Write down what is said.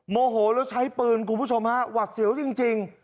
โมโหแล้วใช้ปืนคุณผู้ชมฮะหวัดเสียวจริง